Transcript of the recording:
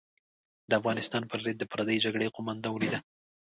د افغانستان پر ضد د پردۍ جګړې قومانده ولیده.